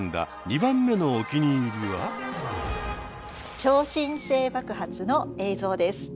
超新星爆発の映像です。